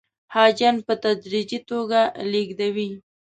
حاجیان په تدریجي توګه لېږدوي.